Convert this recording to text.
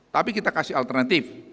tapi kita kasih alternatif